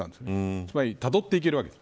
つまり、たどっていけるわけです。